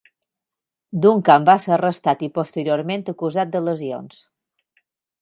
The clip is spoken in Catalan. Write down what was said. Duncan va ser arrestat i posteriorment acusat de lesions.